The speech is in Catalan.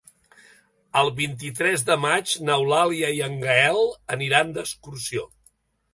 El vint-i-tres de maig n'Eulàlia i en Gaël aniran d'excursió.